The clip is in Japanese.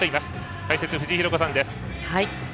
解説、藤井寛子さんです。